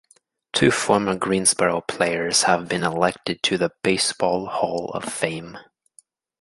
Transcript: Two former Greensboro players have been elected to the Baseball Hall of Fame.